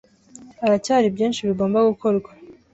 Haracyari byinshi bigomba gukorwa.